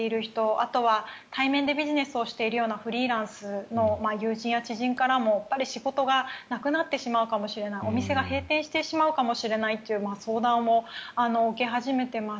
あとは対面でビジネスをしているようなフリーランスの友人や知人からもやっぱり、仕事がなくなってしまうかもしれないお店が閉店してしまうかもしれないというような相談を受け始めています。